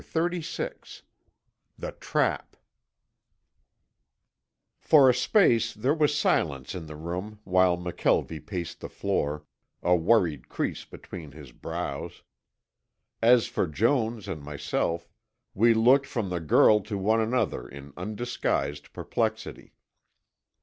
CHAPTER XXXVI THE TRAP For a space there was silence in the room while McKelvie paced the floor, a worried crease between his brows. As for Jones and myself, we looked from the girl to one another in undisguised perplexity.